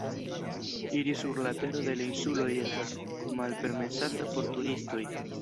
Iri sur la tero de la insuloj estas malpermesata por turistoj.